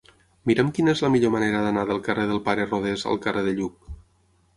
Mira'm quina és la millor manera d'anar del carrer del Pare Rodés al carrer de Lluc.